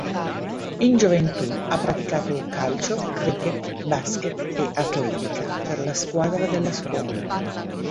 In gioventù ha praticato calcio, cricket, basket e atletica per la squadra della scuola.